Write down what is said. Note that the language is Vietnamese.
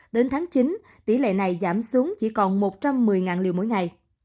đến tháng chín tỷ lệ này giảm xuống chỉ còn một trăm một mươi liều mỗi ngày